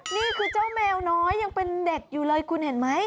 นี่คือเจ้าแมวน้อยยังเป็นเด็กอยู่เลยคุณเห็นไหม